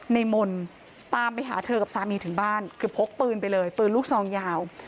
มนต์ตามไปหาเธอกับสามีถึงบ้านคือพกปืนไปเลยปืนลูกซองยาว